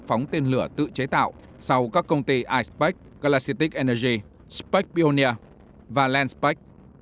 phóng tên lửa tự chế tạo sau các công ty ispec galactic energy specbionia và landspec